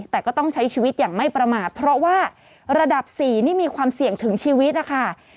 แต่ก็ต้องใช้ชีวิตอย่างไม่ประมาทเพราะว่าระดับ๔นี่มีความเสี่ยงถึงชีวิตนะคะ